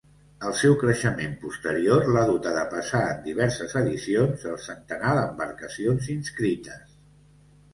El seu creixement posterior l'ha dut a depassar en diverses edicions el centenar d'embarcacions inscrites.